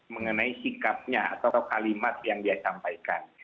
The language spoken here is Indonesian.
mengenai sikapnya atau kalimat yang disampaikan